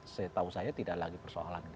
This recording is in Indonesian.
setahu saya tidak lagi persoalannya